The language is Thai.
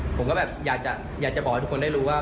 ผมก็แบบอยากจะบอกให้ทุกคนได้รู้ว่า